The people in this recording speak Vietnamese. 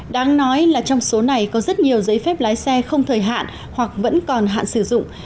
đáng nói là trong số này có rất nhiều giấy phép lái xe không thời hạn hoặc vẫn còn hạn sử dụng